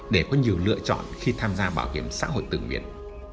để có nhiều lựa chọn khi tham gia bảo hiểm xã hội tự nguyện